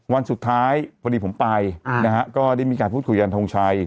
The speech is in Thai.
วันสุดท้ายพอดีผมไปนะฮะก็ได้มีการพูดคุยกันทงชัย